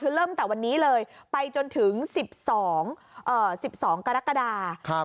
คือเริ่มแต่วันนี้เลยไปจนถึง๑๒กรกฎา